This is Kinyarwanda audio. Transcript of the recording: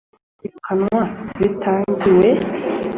cyangwa ku kwirukanwa bitangiwe